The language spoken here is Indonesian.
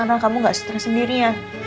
supaya kamu gak stress sendirian